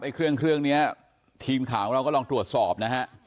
เครื่องเครื่องนี้ทีมข่าวของเราก็ลองตรวจสอบนะฮะ